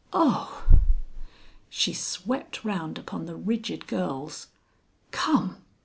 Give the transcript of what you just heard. "Oh!" She swept round upon the rigid girls. "Come!"